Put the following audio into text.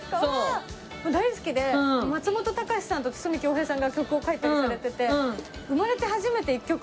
大好きで松本隆さんと筒美京平さんが曲を書いたりされてて。